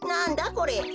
これ。